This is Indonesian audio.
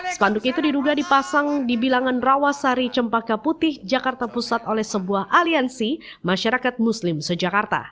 spanduk itu diduga dipasang di bilangan rawasari cempaka putih jakarta pusat oleh sebuah aliansi masyarakat muslim sejakarta